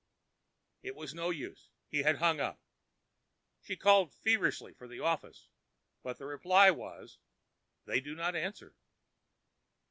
It was no use. He had hung up. She called feverishly for the office, but the reply was, "They do not answer."